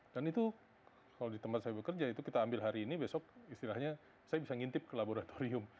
dan itu kalau di tempat saya bekerja itu kita ambil hari ini besok istilahnya saya bisa ngintip ke laboratorium